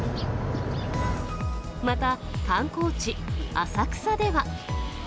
また、観光地、浅草では。